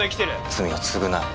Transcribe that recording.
罪を償え。